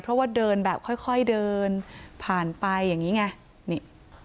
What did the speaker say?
เพราะว่าเดินแบบค่อยเดินผ่านไปอย่างนี้ไงนี่